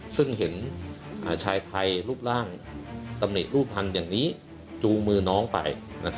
ซึ่งเห็นชายไทยรูปร่างตำหนิรูปภัณฑ์อย่างนี้จูงมือน้องไป